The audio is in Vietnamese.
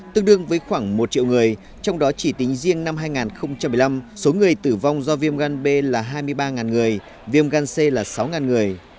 tương đương với khoảng một triệu người trong đó chỉ tính riêng năm hai nghìn một mươi năm số người tử vong do viêm gan b là hai mươi ba người viêm gan c là sáu người